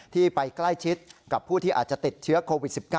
ที่ไปใกล้ชิดกับผู้ที่อาจจะติดเชื้อโควิด๑๙